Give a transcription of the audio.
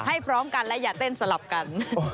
พร้อมกันและอย่าเต้นสลับกัน